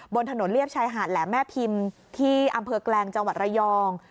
บนถนนเรียบชายหาดแหลมแม่พิมพ์ที่อำเภอแกลงจังหวัดระยอง